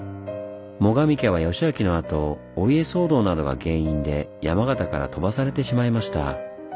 最上家は義光のあとお家騒動などが原因で山形からとばされてしまいました。